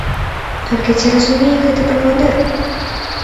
Толькі ці разумее гэта правадыр?